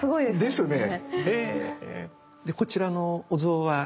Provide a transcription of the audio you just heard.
ですね。